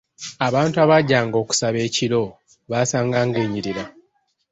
Abantu abajjanga okusaba ekiro baasanganga enyirira.